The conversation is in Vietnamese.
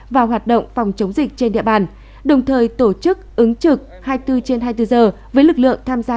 vào hoạt động phòng chống dịch trên địa bàn đồng thời tổ chức ứng trực hai mươi bốn trên hai mươi bốn giờ với lực lượng tham gia